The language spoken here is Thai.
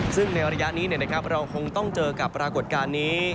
ซึ่งในระยะนี้เราคงต้องเจอกับปรากฏการณ์นี้